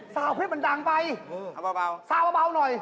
ซาวเผ็ดมันดังไปซาวเบาหน่อย